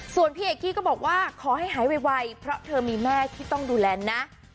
ส่วนพี่เอกกี้ก็บอกว่าขอให้หายไวเพราะเธอมีแม่ที่ต้องดูแลนะ